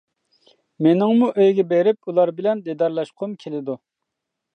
مېنىڭمۇ ئۆيگە بېرىپ ئۇلار بىلەن دىدارلاشقۇم كېلىدۇ.